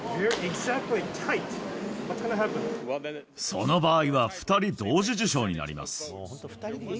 その場合は２人同時受賞になります。